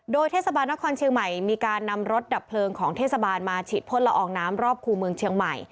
โดยเทศบาลนครเชียงใหม่มีการนำรถดับเพลิงของเทศบาลมาฉีดพ่นละอองน้ำรอบคู่เมืองเชียงใหม่